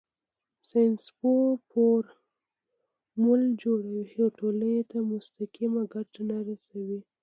ساینسپوه فورمول جوړوي خو ټولنې ته مستقیمه ګټه نه رسوي.